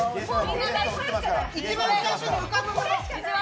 一番最初に浮かぶもの。